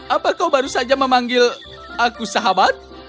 apa kau baru saja memanggil aku sahabat